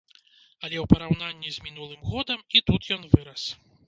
Але ў параўнанні з мінулым годам і тут ён вырас.